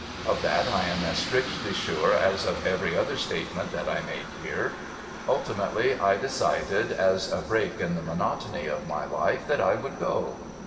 Of that I am as strictly sure as of every other statement that I make here. Ultimately I decided, as a break in the monotony of my life, that I would go.